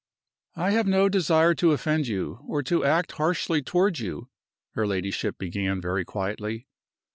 "I have no desire to offend you, or to act harshly toward you," her ladyship began, very quietly.